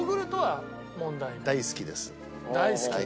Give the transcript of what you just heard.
大好き？